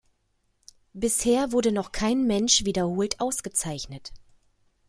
Bisher wurde noch kein Mensch wiederholt ausgezeichnet.